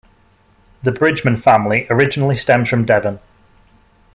The Bridgeman family originally stems from Devon.